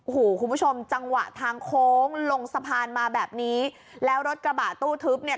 โอ้โหคุณผู้ชมจังหวะทางโค้งลงสะพานมาแบบนี้แล้วรถกระบะตู้ทึบเนี่ย